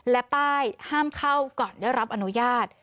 และป้ายห้ามเข้าก่อนได้รับอนุญาต